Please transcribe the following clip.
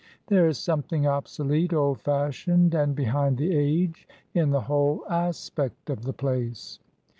There is something obsolete, old fashioned, and behind the age in the whole aspect of the place.